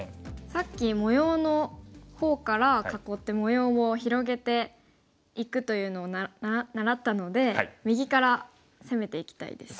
さっき模様の方から囲って模様を広げていくというのを習ったので右から攻めていきたいです。